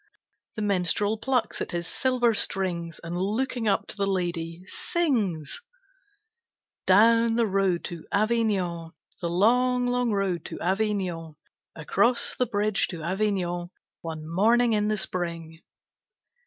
The minstrel plucks at his silver strings, And looking up to the lady, sings: Down the road to Avignon, The long, long road to Avignon, Across the bridge to Avignon, One morning in the spring.